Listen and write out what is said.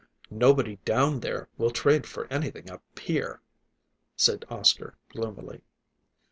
"Nobody down there will trade for anything up here," said Oscar gloomily.